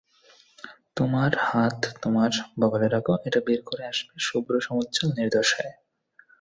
তোমার হাত তোমার বগলে রাখ, এটা বের হয়ে আসবে শুভ্র সমুজ্জ্বল নির্দোষ হয়ে।